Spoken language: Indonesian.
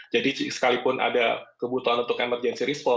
jadi sekalipun ada kebutuhan untuk emergency risk